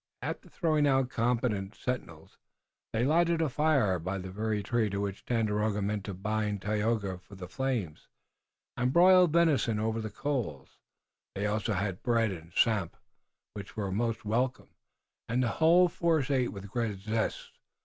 After throwing out competent sentinels, they lighted a fire by the very tree to which Tandakora meant to bind Tayoga for the flames, and broiled venison over the coals. They also had bread and samp, which were most welcome, and the whole force ate with great zest.